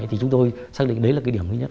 thì chúng tôi xác định đấy là cái điểm thứ nhất